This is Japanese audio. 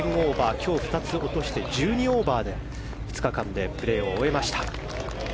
今日２つ落として１２オーバーで２日間でプレーを終えました。